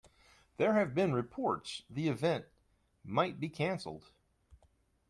There have been reports the event might be canceled.